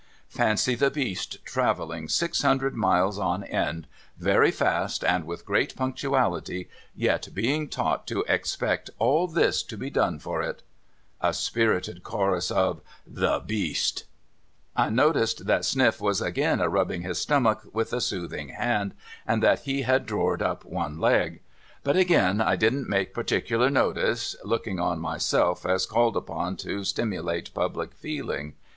Fancy the Beast travelling six hundred miles on end, very fast, and with great punctuality, yet being taught to expect all this to be done for it !' A spirited chorus of ' The Beast !' I noticed that .Sniff was agin a rubbing his stomach with a soothing hand, and that he had drored up one leg. But agin I didn't take particular notice, looking on myself as called upon to stimulate public feeling.